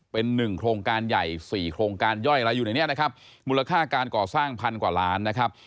เป็นหนึ่งโครงการใหญ่๔โครงการย่อยอะไรอยู่ในนี้นะครับมูลค่าการก่อสร้างพันกว่าล้านนะครับ